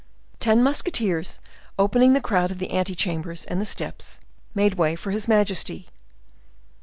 Ten musketeers, opening the crowd of the ante chambers and the steps, made way for his majesty.